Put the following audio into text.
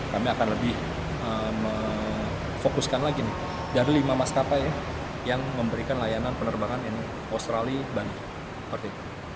kami akan lebih fokuskan lagi dari lima mas kapai yang memberikan layanan penerbangan ini australia dan bali